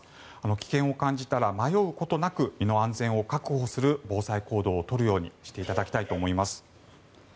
危険を感じたら迷うことなく身の安全を確保する防災行動を取るようにしていただきたいと思います。